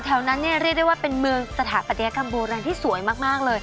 แถวนั้นเนี่ยเรียกได้ว่าเป็นเมืองสถาปัตยกรรมโบราณที่สวยมากเลย